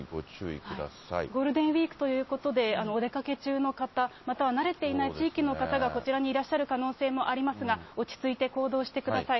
ゴールデンウィークということで、お出かけ中の方、または慣れていない地域の方がこちらにいらっしゃる可能性もありますが、落ち着いて行動してください。